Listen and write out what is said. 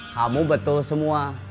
kamu betul semua